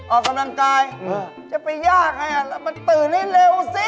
ออกกำลังกายจะไปยากมาตื่นให้เร็วสิ